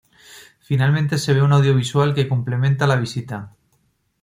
Finalmente se ve un audiovisual que complementa la visita.